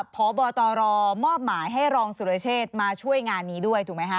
พบตรมอบหมายให้รองสุรเชษมาช่วยงานนี้ด้วยถูกไหมคะ